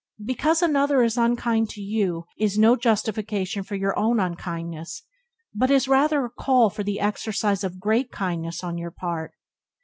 Because another is unkind to you is no justification of your own unkindness, but is rather a call for the exercise of great kindness on your part.